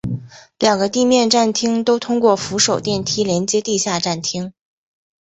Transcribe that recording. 两个地面站厅都通过扶手电梯连接地下站厅。